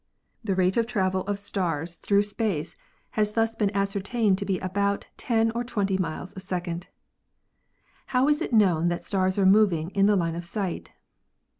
The rate of travel of 272 ASTRONOMY stars through space has thus been ascertained to be about 10 or 20 miles a second. How is it known that stars are moving in the line of sight?